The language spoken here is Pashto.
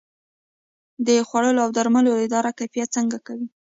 د خوړو او درملو اداره کیفیت څنګه ګوري؟